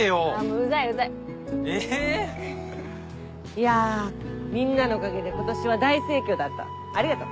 いやみんなのおかげで今年は大盛況だったありがとう。